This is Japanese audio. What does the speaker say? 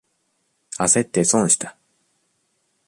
あせって損した。